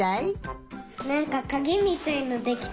なんかかぎみたいのできた。